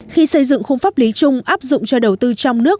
khi xây dựng khung pháp lý chung áp dụng cho đầu tư trong nước